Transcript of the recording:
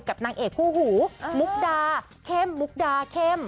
นางเอกคู่หูมุกดาเข้มมุกดาเข้ม